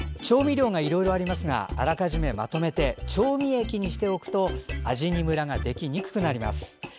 調味料がいろいろありますがあらかじめまとめて調味液にしておくと味にムラができにくくなります。